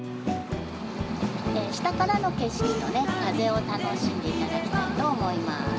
下からの景色とね風を楽しんでいただきたいと思います。